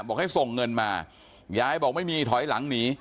บอกให้ส่งเงินมายายบอกไม่มีถอยหลังหนี